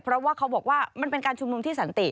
เพราะว่าเขาบอกว่ามันเป็นการชุมนุมที่สันติ